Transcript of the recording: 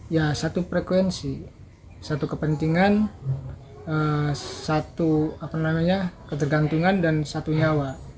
ya satu frekuensi satu kepentingan satu apa namanya ketergantungan dan satu nyawa